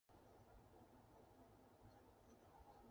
建筑二层和三层为大展厅。